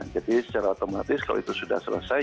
jadi secara otomatis kalau itu sudah selesai